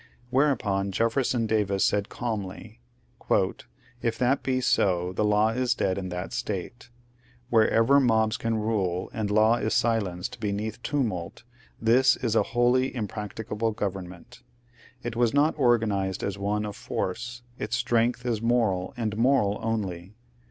Whereu{>on Jefferson Davis said calmly, ^ If that be so the law is dead in that State. Where ever mobs can rule, and law is silenced beneath tumult, this is a wholly impracticable government. It was not organized as one of force, its strength is moral, and moral only.